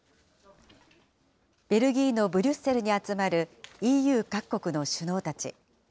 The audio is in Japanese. ベルギーのブリュッセルに集まるＥＵ各国の首脳たち。